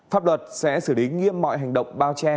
pháp luật sẽ xử lý nghiêm mọi hành động bao che